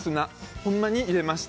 ほんまに入れました。